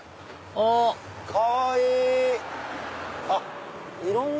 あかわいい！